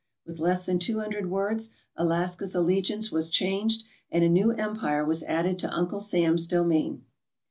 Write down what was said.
With less than two hundred words Alaska's allegiance was changed and a new empire was added to Uncle Sam's domain.